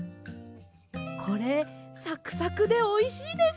これサクサクでおいしいです。